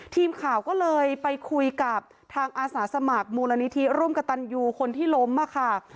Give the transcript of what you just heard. ทีมข่าวก็เลยไปคุยกับทางอาสาสมัครมูลนิธิร่วมกับตันยูคนที่ล้มค่ะ